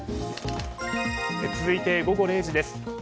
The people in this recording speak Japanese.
続いて、午後０時です。